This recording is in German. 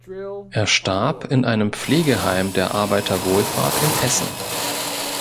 Er starb in einem Pflegeheim der Arbeiterwohlfahrt in Essen.